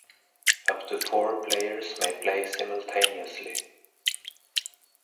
Up to four players may play simultaneously.